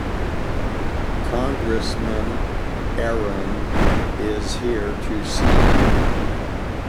Congressman Aaron is here to see you.